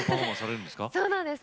そうなんです。